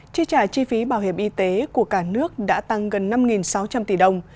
chi trả chi phí bảo hiểm y tế của cả nước đã tăng gần năm sáu trăm linh tỷ đồng